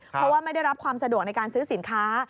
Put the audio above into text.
เพราะว่าไม่ได้รับความสะดวกในการซื้อสินค้า